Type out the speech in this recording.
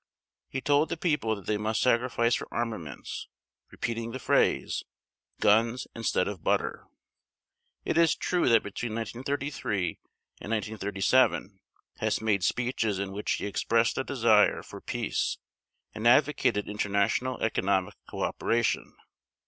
He told the people that they must sacrifice for armaments, repeating the phrase, "Guns instead of butter." It is true that between 1933 and 1937 Hess made speeches in which he expressed a desire for peace and advocated international economic cooperation.